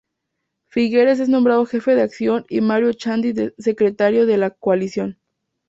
Figueres es nombrado jefe de acción y Mario Echandi secretario de la coalición.